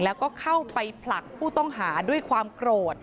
แล้วก็เข้าไปผลักผู้ต้องหาด้วยความโกรธ